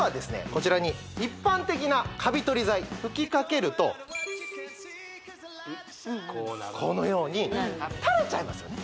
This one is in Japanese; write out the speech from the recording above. こちらに一般的なカビ取り剤吹きかけるとこのようにたれちゃいますよね